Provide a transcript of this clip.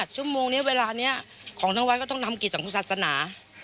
ฉุมมวงนี้เวลานี้ของทั้งวัดก็ต้องรักษาศาสนา